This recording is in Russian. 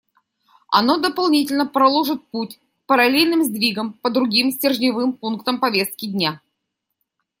Оно дополнительно проложит путь к параллельным сдвигам по другим стержневым пунктам повестки дня.